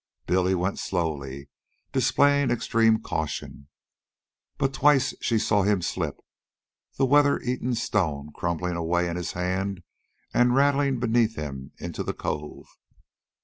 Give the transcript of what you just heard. Billy went slowly, displaying extreme caution; but twice she saw him slip, the weather eaten stone crumbling away in his hand and rattling beneath him into the cove.